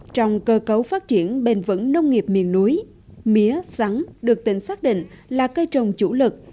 trong cơ cấu phát triển bền vững nông nghiệp miền núi mía rắn được tỉnh xác định là cây trồng chủ lực